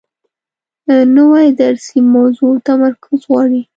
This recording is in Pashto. نوې درسي موضوع تمرکز غواړي